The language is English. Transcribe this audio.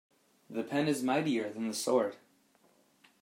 The pen is mightier than the sword.